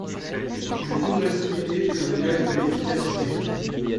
Je voudrais souligner que l’on gagne en efficacité.